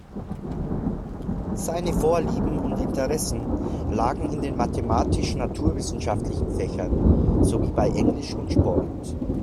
Seine Vorlieben und Interessen lagen in den mathematisch-naturwissenschaftlichen Fächern, sowie bei Englisch und Sport.